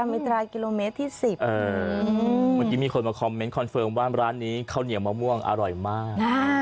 เมื่อกี้มีคนมาคอมเม้นต์คอนเฟิร์มว่าร้านนี้เข้าเหนียวมะม่วงอร่อยมาก